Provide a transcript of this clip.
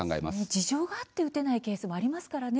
事情があって打てないケースもありますからね。